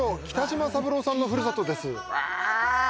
北島三郎さんのふるさとですわあ